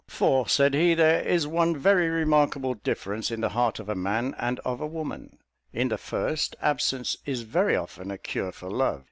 "For," said he, "there is one very remarkable difference in the heart of a man and of a woman. In the first, absence is very often a cure for love.